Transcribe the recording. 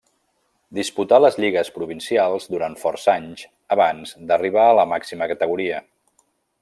Disputà les lligues provincials durant força anys abans d'arribar a la màxima categoria.